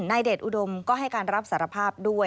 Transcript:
เดชอุดมก็ให้การรับสารภาพด้วย